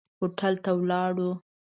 هوټل ته ولاړو.